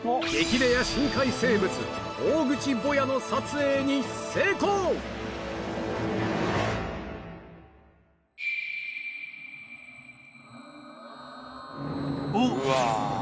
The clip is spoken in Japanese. レア深海生物オオグチボヤの撮影に成功うわ